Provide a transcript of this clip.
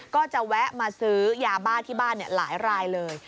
ก็จะแวะมาซื้อยาบ้าที่บ้านหลายรายเลย